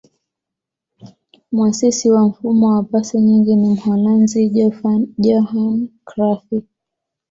muasisi wa mfumo wa pasi nyingi ni mholanzi johan crufy